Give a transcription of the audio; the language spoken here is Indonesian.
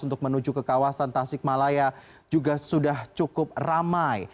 untuk menuju ke kawasan tasik malaya juga sudah cukup ramai